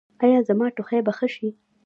ایا زما ټوخی به ښه شي؟